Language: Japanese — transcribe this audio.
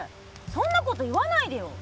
そんなこと言わないでよ！